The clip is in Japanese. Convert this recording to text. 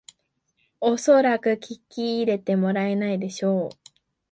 おそらく聞き入れてもらえないでしょう